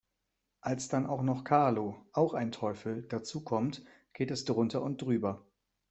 Als dann auch noch Carlo, auch ein Teufel, dazukommt, geht es drunter und drüber.